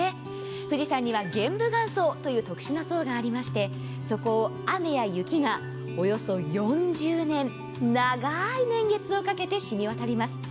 富士山には玄武岩層という特殊な層がありましてそこを雨や雪がおよそ４０年、長い年月をかけてしみ渡ります。